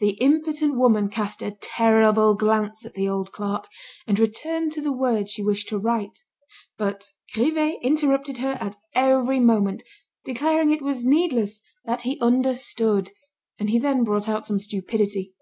The impotent woman cast a terrible glance at the old clerk, and returned to the word she wished to write. But Grivet interrupted her at every moment, declaring it was needless, that he understood, and he then brought out some stupidity.